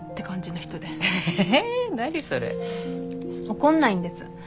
怒んないんです。